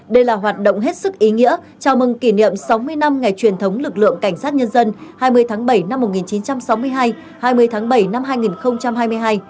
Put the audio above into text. đây là hoạt động hết sức ý nghĩa chào mừng kỷ niệm sáu mươi năm ngày truyền thống lực lượng cảnh sát nhân dân hai mươi tháng bảy năm một nghìn chín trăm sáu mươi hai hai mươi tháng bảy năm hai nghìn hai mươi hai